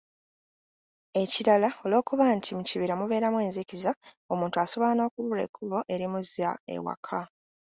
Ekirala olw’okuba nti mu kibira mubeeramu enzikiza, omuntu asobola n’okubulwa ekkubo erimuzza ewaka.